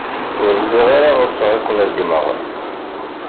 Ur lliɣ ara ɣseɣ ad ken-regmeɣ.